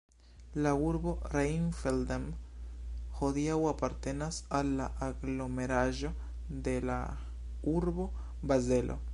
La urbo Rheinfelden hodiaŭ apartenas al la aglomeraĵo de la urbo Bazelo.